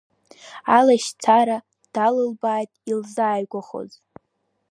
Алашьцара даалылбааит илзааигәахоз.